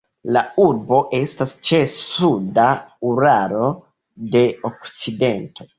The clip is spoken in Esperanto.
La urbo estas ĉe suda Uralo de okcidento.